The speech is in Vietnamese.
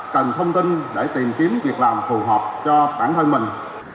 cần thông tin để tìm kiếm việc làm phù hợp cho bản thân mình